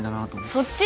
そっち？